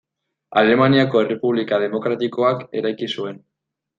Alemaniako Errepublika demokratikoak eraiki zuen.